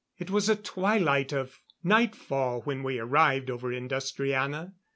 It was the twilight of nightfall when we arrived over Industriana.